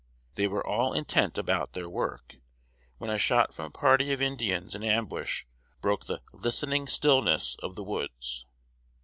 They were all intent about their work, when a shot from a party of Indians in ambush broke the "listening stillness" cf the woods.